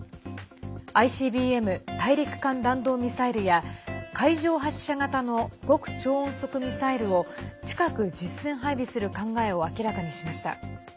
ＩＣＢＭ＝大陸間弾道ミサイルや海上発射型の極超音速ミサイルを近く、実戦配備する考えを明らかにしました。